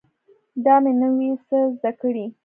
دا مې نوي څه زده کړي